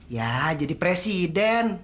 ya jadi presiden